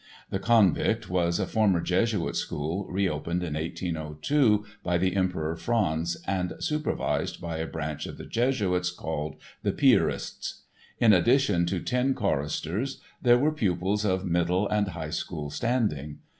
The Konvikt was a former Jesuit school reopened in 1802 by the Emperor Franz and supervised by a branch of the Jesuits called the Piarists. In addition to ten choristers there were pupils of middle and high school standing.